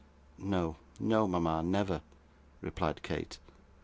'No, no, mama, never,' replied Kate.